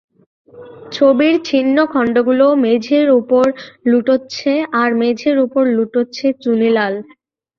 ছবির ছিন্ন খণ্ডগুলো মেঝের উপর লুটোচ্ছে আর মেঝের উপর লুটোচ্ছে চুনিলাল।